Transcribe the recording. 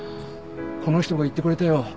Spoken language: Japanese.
この人が言ってくれたよ。